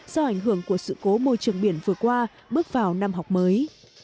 do ảnh hưởng của sự cố môi trường biển vừa qua bước vào năm học mới